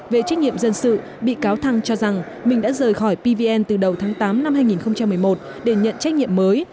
về trách nhiệm dân sự bị cáo thăng cho rằng mình đã rời khỏi pvn từ đầu tháng tám năm hai nghìn một mươi một để nhận trách nhiệm mới